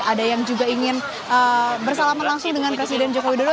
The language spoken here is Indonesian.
ada yang juga ingin bersalaman langsung dengan presiden joko widodo